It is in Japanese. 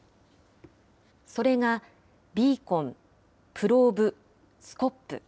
それがビーコン、プローブ、スコップ。